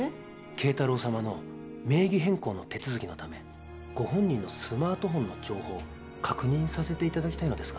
啓太郎様の名義変更の手続きのためご本人のスマートフォンの情報確認させていただきたいのですが。